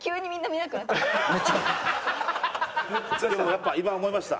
やっぱ今思いました。